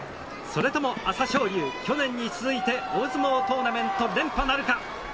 それとも朝青龍、去年に続いて大相撲トーナメント連覇なるか。